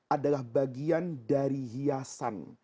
adalah bagian dari hiasan